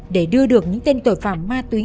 để đưa được những tên tội phạm ma túy